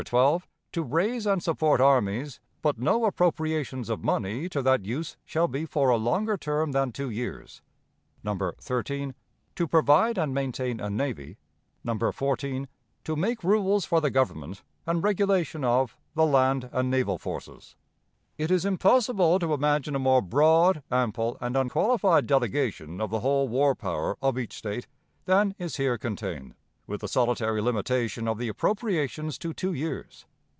12, 'To raise and support armies, but no appropriations of money to that use shall be for a longer term than two years.' No. 13, 'To provide and maintain a navy.' No. 14, 'To make rules for the government and regulation of the land and naval forces.' "It is impossible to imagine a more broad, ample, and unqualified delegation of the whole war power of each State than is here contained, with the solitary limitation of the appropriations to two years.